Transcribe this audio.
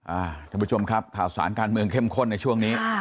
ท่านผู้ชมครับข่าวสารการเมืองเข้มข้นในช่วงนี้